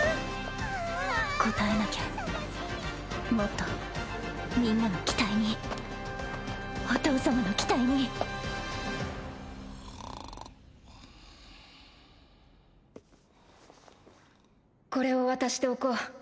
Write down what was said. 応えなきゃもっとみんなの期待にお父様の期待にこれを渡しておこう